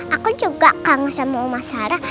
aku juga kangen sama mas sarah